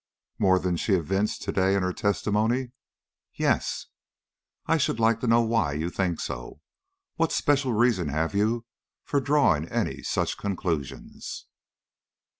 "More than she evinced to day in her testimony?" "Yes." "I should like to know why you think so. What special reasons have you for drawing any such conclusions?"